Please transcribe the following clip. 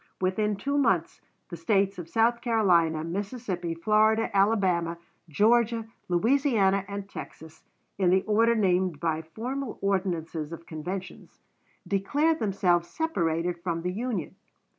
Within two months the States of South Carolina, Mississippi, Florida, Alabama, Georgia, Louisiana, and Texas, in the order named, by formal ordinances of conventions, declared themselves separated from the Union.